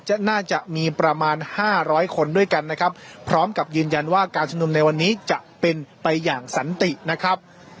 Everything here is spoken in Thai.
น่าจะมีประมาณห้าร้อยคนด้วยกันนะครับพร้อมกับยืนยันว่าการชุมนุมในวันนี้จะเป็นไปอย่างสันตินะครับ